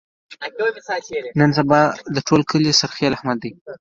نن سبا د ټول کلي سرخیل احمد دی.